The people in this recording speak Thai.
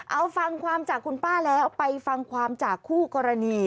เอาฟังความจากคุณป้าแล้วไปฟังความจากคู่กรณี